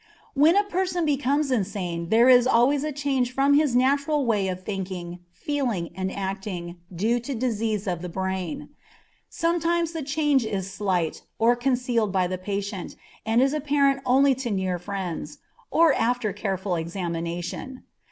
When a person becomes insane there is always a change from his natural way of thinking, feeling, and acting, due to disease of the brain. Sometimes the change is slight, or concealed by the patient, and is apparent only to near friends, or after a careful examination.